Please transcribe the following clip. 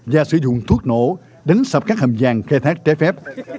và sử dụng thuốc nổ đánh sập các hầm vàng khai thác trái phép